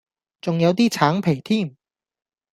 仲有啲橙皮添